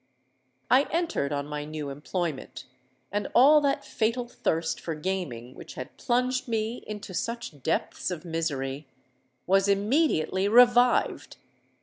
"I entered on my new employment; and all that fatal thirst for gaming which had plunged me into such depths of misery, was immediately revived.